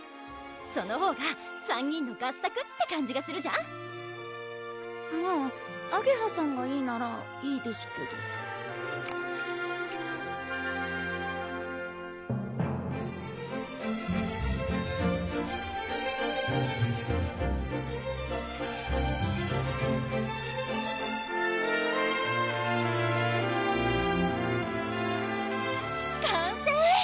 そのほうが３人の合作って感じがするじゃんまぁあげはさんがいいならいいですけどかんせい！